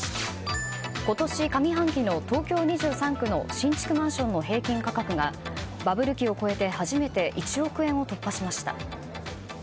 今年上半期の東京２３区の新築マンションの平均価格がバブル期を超えて初めて１億円を突破しました。